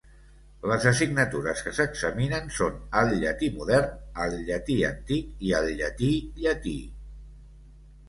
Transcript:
Les assignatures que s'examinen són el llatí modern, el llatí antic, i el llatí llatí.